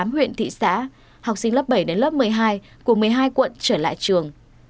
tám huyện thị xã học sinh lớp bảy đến lớp một mươi hai của một mươi hai quận trở lại trường